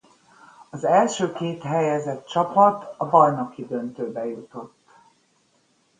Az első két helyezett csapat a bajnoki döntőbe jutott.